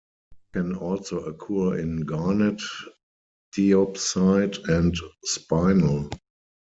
It can also occur in garnet, diopside and spinel.